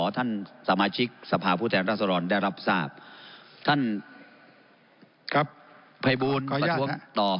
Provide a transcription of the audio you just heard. ท่านสมาชิกสภาพภูเทศรสรรค์ได้รับทราบท่านครับภัยบูรณ์ต่อ